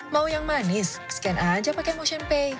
mau yang manis scan aja pakai motion pay